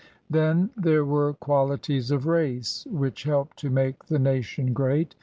Then there were qualities of race which helped to make the nation great.